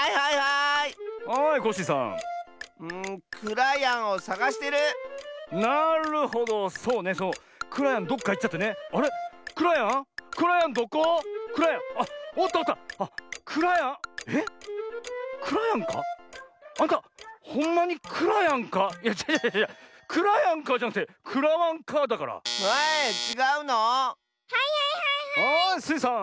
はいスイさん。